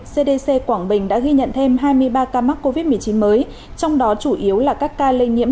cdc quảng bình đã ghi nhận thêm hai mươi ba ca mắc covid một mươi chín mới trong đó chủ yếu là các ca lây nhiễm